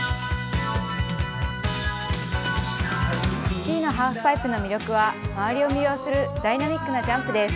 スキーのハーフパイプの魅力は周りを魅了するダイナミックなジャンプです。